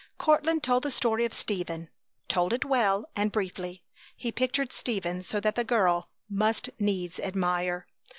Courtland told the story of Stephen; told it well and briefly. He pictured Stephen so that the girl must needs admire.